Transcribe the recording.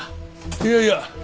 いやいや。